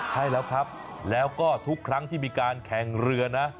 ใช่แล้วครับแล้วก็ทุกครั้งที่มีการแข่งเรือนะ